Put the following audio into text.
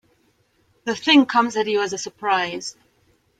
The thing comes on you as a surprise.